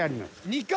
２回！